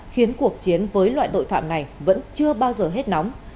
khiến cuộc chiến với loại tội phạm này vẫn chưa bao giờ hết nóng